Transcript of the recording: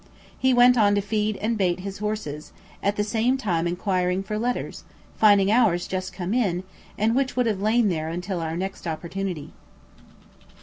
He went on to feed and bait his horses, at the same time enquiring for letters, finding ours just come in, and which would have lain there until our next opportunity.